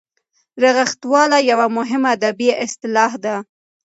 رغښتواله یوه مهمه ادبي اصطلاح ده.